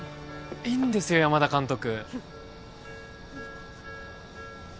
いいんですよ山田監督